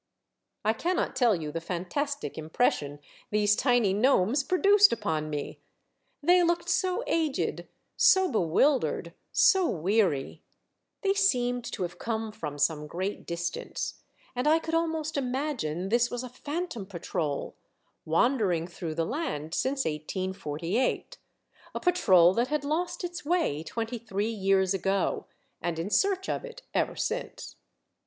I cannot tell you the fantastic impression these tiny gnomes produced upon me. They looked so aged, so bewildered, so weary ! They seemed to have come from some great distance, — and I could almost imagine this was a phantom patrol, wandering through the land since 1848, a patrol that had lost its way twenty three years ago, and in search of it ever since.